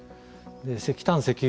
石炭・石油